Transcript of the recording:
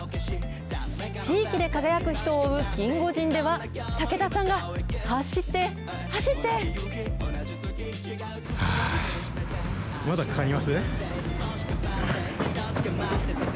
地域で輝く人を追うキンゴジンでは、武田さんが走って、まだかかります？